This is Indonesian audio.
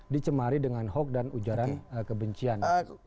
dicemari dengan hoax dan ujaran kebencian